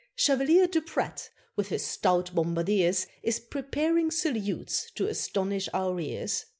Chevalier Duprat, with his stout bombardiers, Is preparing salutes to astonish our ears.